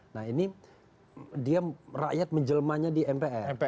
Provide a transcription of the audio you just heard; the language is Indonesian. nah ini dia rakyat menjelmanya di mpr